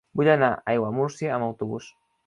Vull anar a Aiguamúrcia amb autobús.